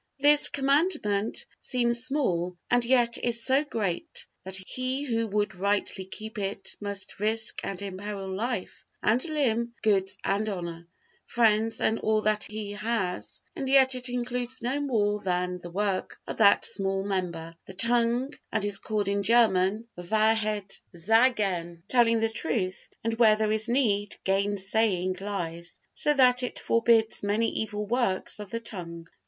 This Commandment seems small, and yet is so great, that he who would rightly keep it must risk and imperil life and limb, goods and honor, friends and all that he has; and yet it includes no more than the work of that small member, the tongue, and is called in German Wahrheit sagen, "telling the truth" and, where there is need, gainsaying lies; so that it forbids many evil works of the tongue.